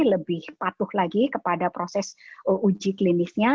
lebih patuh lagi kepada proses uji klinisnya